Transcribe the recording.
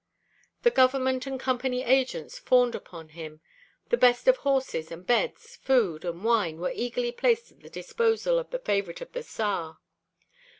The Government and Company agents fawned upon him, the best of horses and beds, food and wine, were eagerly placed at the disposal of the favorite of the Tsar.